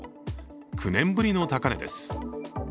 ９年ぶりの高値です。